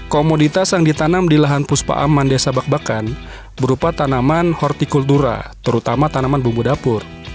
komoditas yang ditanam di lahan puspa aman desa bak bakan berupa tanaman hortikultura terutama tanaman bumbu dapur